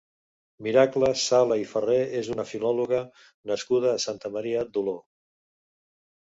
Miracle Sala i Farré és una filòloga nascuda a Santa Maria d'Oló.